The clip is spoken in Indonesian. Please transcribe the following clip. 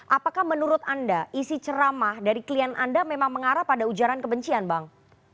apakah menurut anda isi ceramah dari klien anda memang mengarah pada ujaran kebencian bang